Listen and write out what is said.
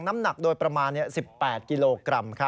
น้ำหนักโดยประมาณ๑๘กิโลกรัม